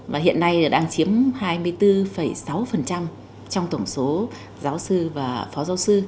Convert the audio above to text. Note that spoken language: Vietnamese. và hiện nay đang chiếm hai mươi bốn sáu trong tổng số